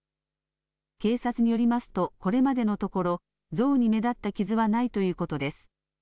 警察によりますと、これまでのところ像に目立った傷はないということです。